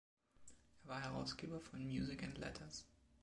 Er war Herausgeber von „Music and Letters“.